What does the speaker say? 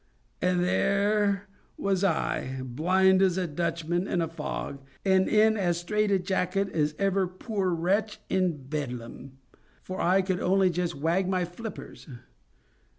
And there was I, blind as a Dutchman in a fog, and in as strait a jacket as ever poor wretch in Bedlam, for I could only just wag my flippers.